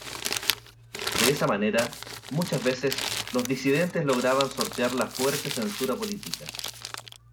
De esa manera, muchas veces los disidentes lograban sortear la fuerte censura política.